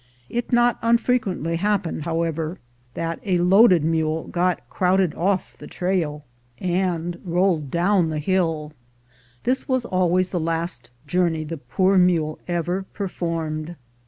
It not unfrequently happened, however, that a loaded mule got crowded off the trail, 241 242 THE GOLD HUNTERS and rolled down the hill. This was always the last journey the poor mule ever performed.